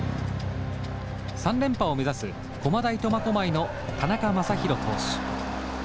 ３連覇を目指す駒大苫小牧の田中将大投手。